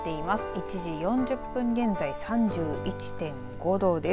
１時４０分現在３１．５度です。